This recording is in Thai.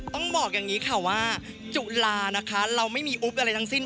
ต้องบอกอย่างนี้ค่ะว่าจุฬานะคะเราไม่มีอุ๊บอะไรทั้งสิ้น